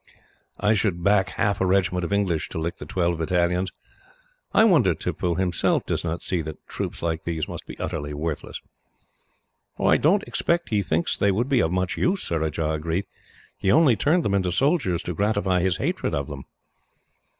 I should back half a regiment of English to lick the twelve battalions. I wonder Tippoo, himself, does not see that troops like these must be utterly useless." "I don't expect he thinks they would be of much use," Surajah agreed. "He only turned them into soldiers to gratify his hatred of them."